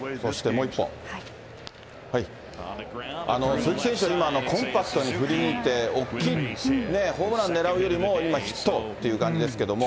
鈴木選手は今、コンパクトに振り抜いて、大きい、ホームランねらうよりもヒットっていう感じですけれども。